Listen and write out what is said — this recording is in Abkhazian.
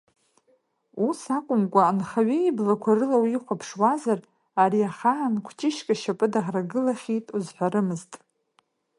Ус акәымкәа анхаҩы иблақәа рыла уихәаԥшуазар, ари ахаан кәҷышьк ашьапы даӷрагылахьеит узҳәарымызт.